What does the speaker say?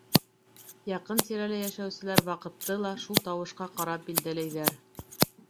Яҡын-тирәлә йәшәүселәр ваҡытты ла шул тауышҡа ҡарап билдәләйҙәр.